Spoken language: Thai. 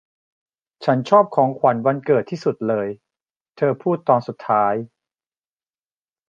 'ฉันชอบของขวัญวันเกิดที่สุดเลย' เธอพูดตอนสุดท้าย